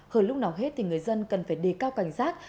hồi lúc nào hết thì người dân cần phải đi cao cảnh sát